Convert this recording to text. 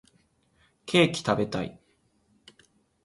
ケーキ食べたい